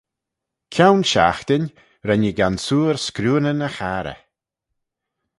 Kione shiaghtin ren ee gansoor screeunyn y charrey.